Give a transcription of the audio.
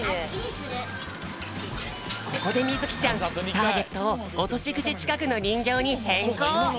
ここでみずきちゃんターゲットをおとしぐちちかくのにんぎょうにへんこう。